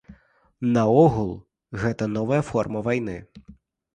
Наогул, гэта новая форма вайны.